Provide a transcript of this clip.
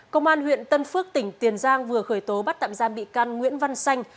công an huyện tân phước tỉnh tiền giang vừa khởi tố bắt tạm giam bị can nguyễn văn xanh